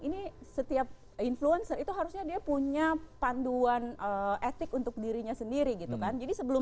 ini setiap influencer itu harusnya dia punya panduan etik untuk dirinya sendiri gitu kan